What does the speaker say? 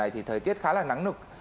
thì thời tiết khá là nắng nực